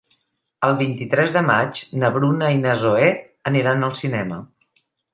El vint-i-tres de maig na Bruna i na Zoè aniran al cinema.